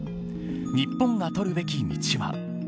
日本が取るべき道は。